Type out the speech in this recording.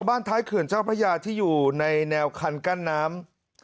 ท้ายเขื่อนเจ้าพระยาที่อยู่ในแนวคันกั้นน้ำ